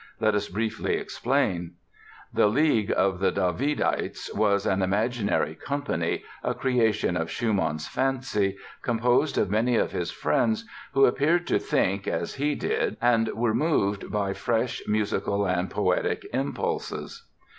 Let us briefly explain: The "League of the Davidites" was an imaginary company, a creation of Schumann's fancy, composed of many of his friends who appeared to think as he did and were moved by fresh musical and poetic impulses.